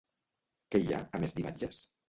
Què hi ha, a més d'imatges?